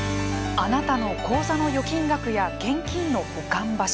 あなたの口座の預金額や現金の保管場所。